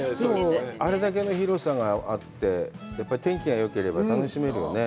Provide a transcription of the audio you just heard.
あれだけの広さがあって、天気がよければ楽しめるよね。